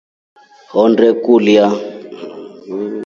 Honde kulya.